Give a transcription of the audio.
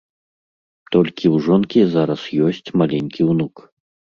Толькі ў жонкі зараз ёсць маленькі ўнук.